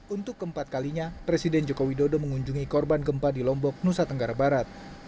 untuk keempat kalinya presiden joko widodo mengunjungi korban gempa di lombok nusa tenggara barat